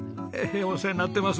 お世話になってます。